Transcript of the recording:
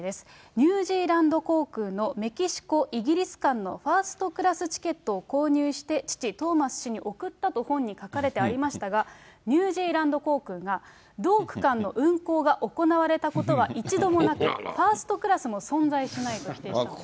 ニュージーランド航空のメキシコ・イギリス間のファーストクラスチケットを購入して、父、トーマス氏に贈ったと本に書かれてありましたが、ニュージーランド航空が、同区間の運航は行われたことは一度もなく、ファーストクラスも存在しないと否定したんです。